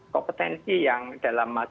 kompetensi yang dalam